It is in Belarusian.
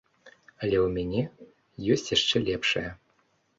Але ў мяне ёсць яшчэ лепшая.